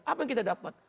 apa yang kita dapat